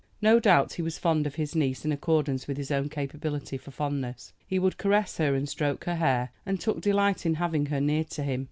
No doubt he was fond of his niece in accordance with his own capability for fondness. He would caress her and stroke her hair, and took delight in having her near to him.